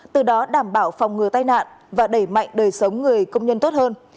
từ đó đảm bảo phòng ngừa tai nạn và đẩy mạnh đời sống người công nhân tốt hơn